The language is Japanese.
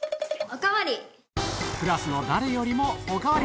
お代わり。